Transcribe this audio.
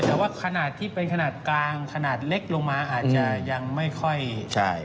แต่ว่าขนาดที่เป็นขนาดกลางขนาดเล็กลงมาอาจจะยังไม่ค่อยใช่